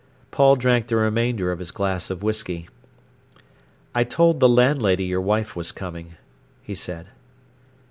Paul drank the remainder of his glass of whisky. "I told the landlady your wife was coming," he said.